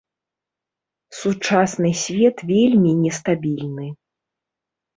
Сучасны свет вельмі нестабільны.